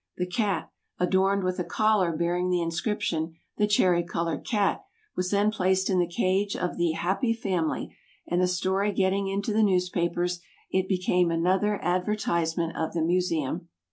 The cat, adorned with a collar bearing the inscription, "The Cherry colored Cat," was then placed in the cage of the "Happy Family," and the story getting into the newspapers, it became another advertisement of the Museum.